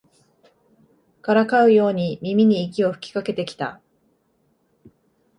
からかうように耳に息を吹きかけてきた